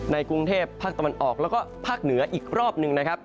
กรุงเทพภาคตะวันออกแล้วก็ภาคเหนืออีกรอบหนึ่งนะครับ